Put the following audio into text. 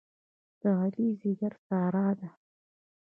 د علي ځېګر ساره ده.